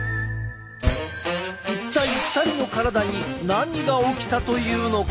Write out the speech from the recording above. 一体２人の体に何が起きたというのか？